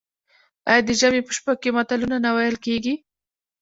آیا د ژمي په شپو کې متلونه نه ویل کیږي؟